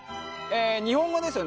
日本語ですよね。